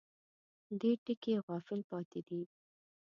دې ټکي غافل پاتې دي.